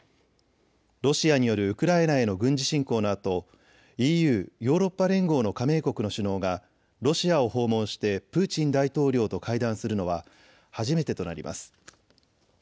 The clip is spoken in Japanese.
ロシアによるウクライナへの軍事侵攻のあとＥＵ・ヨーロッパ連合の加盟国の首脳がロシアを訪問してプーチン大統領と会談するのは初めてとなります。